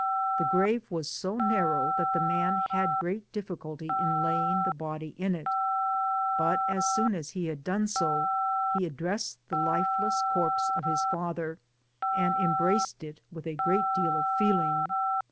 The grave was so narrow that the man had great difficulty in lajdng Digitized byGoogk TOWN OF BUBNOS AIRES. 41 the body in it, but as soon as he had done so, he addressed the lifeless corpse of his father, and embraced it with a great deal of feeling.